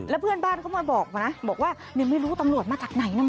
แล้วเพื่อนบ้านก็มาบอกนะบอกว่ามีลูกตำรวจมาจากไหนนะ